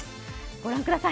ご覧ください